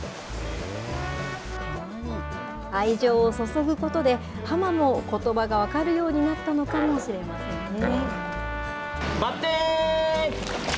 愛情を注ぐことで、ハマもことばが分かるようになったのかもしれませんね。